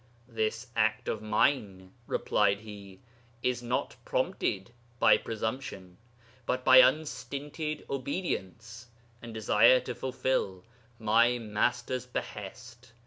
"This act of mine," replied he, "is not prompted by presumption, but by unstinted obedience, and desire to fulfil my Master's behest.